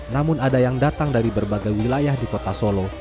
namun ada yang datang dari berbagai wilayah di kota solo